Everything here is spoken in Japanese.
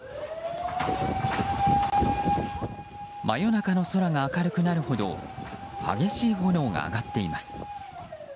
真夜中の空が明るくなるほど激しい炎が上がっています。